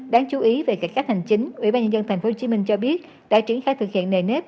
đáng chú ý về cả các hành chính ubnd tp hcm cho biết đã triển khai thực hiện nề nếp